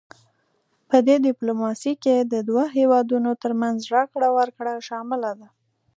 پدې ډیپلوماسي کې د دوه هیوادونو ترمنځ راکړه ورکړه شامله ده